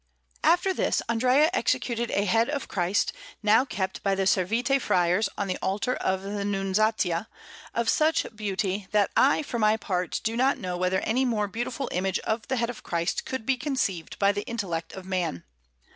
Paris: Louvre, 1514_) Neurdein] After this Andrea executed a head of Christ, now kept by the Servite Friars on the altar of the Nunziata, of such beauty, that I for my part do not know whether any more beautiful image of the head of Christ could be conceived by the intellect of man.